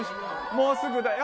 もうすぐだよ。